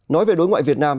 nói về đối ngoại việt nam